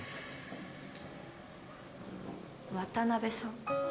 渡辺さん？